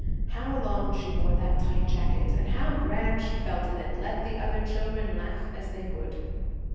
How long she wore that tight jacket, and how grand she felt in it, let the other children laugh as they would!